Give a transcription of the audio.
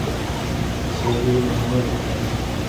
که سیالي وي نو همت نه کمیږي.